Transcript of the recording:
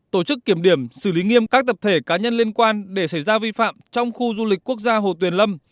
tổ chức kiểm điểm xử lý nghiêm các tập thể cá nhân liên quan để xảy ra vi phạm trong khu du lịch quốc gia hồ tuyền lâm